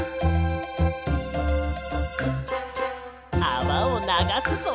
あわをながすぞ。